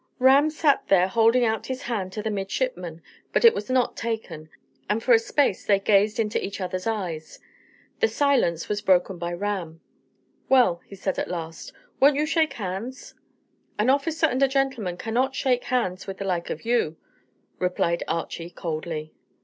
Ram sat there holding out his hand to the midshipman, but it was not taken, and for a space they gazed into each other's eyes. The silence was broken by Ram. "Well," he said at last, "won't you shake hands?" "An officer and a gentleman cannot shake hands with one like you," replied Archy coldly.